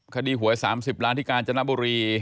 คดีหวย๓๐ล้านที่กาญจนบุรี